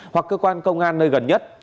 hoặc cơ quan công an nơi gần nhất